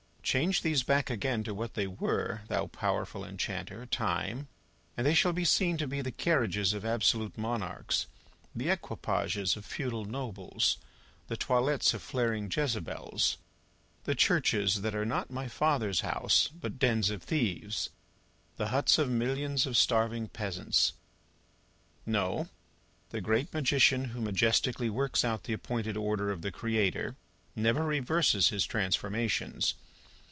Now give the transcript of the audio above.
Change these back again to what they were, thou powerful enchanter, Time, and they shall be seen to be the carriages of absolute monarchs, the equipages of feudal nobles, the toilettes of flaring Jezebels, the churches that are not my father's house but dens of thieves, the huts of millions of starving peasants! No; the great magician who majestically works out the appointed order of the Creator, never reverses his transformations.